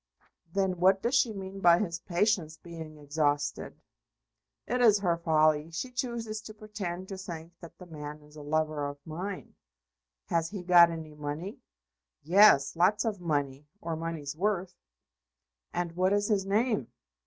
"Then what does she mean by his patience being exhausted?" "It is her folly. She chooses to pretend to think that the man is a lover of mine." "Has he got any money?" "Yes; lots of money or money's worth." "And what is his name?"